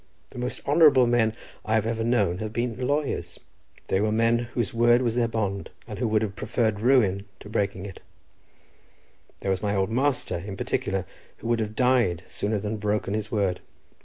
The most honourable men I have ever known have been lawyers; they were men whose word was their bond, and who would have preferred ruin to breaking it. There was my old master, in particular, who would have died sooner than broken his word.